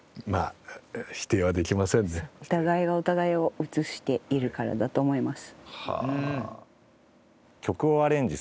お互いがお互いを映しているからだと思います。